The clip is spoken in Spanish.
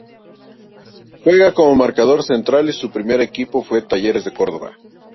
Juega como marcador central y su primer equipo fue Talleres de Córdoba.